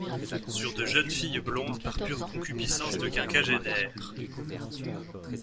sur de jeunes filles blondes par pure concupiscence de quinquagénaire.